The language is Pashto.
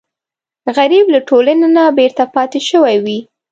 غریب له ټولنې نه بېرته پاتې شوی وي